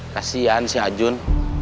kasian si ajun